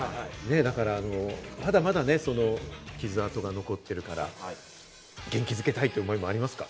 だからまだまだね、傷跡が残ってるから、元気づけたいって思いもありますか？